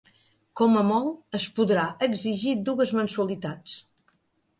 Com a molt, es podrà exigir dues mensualitats.